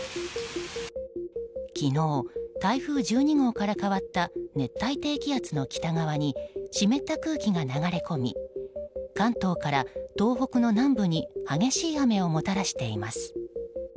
昨日、台風１２号から変わった熱帯低気圧の北側に湿った空気が流れ込み関東から東北の南部に激しい雨をもたらしています。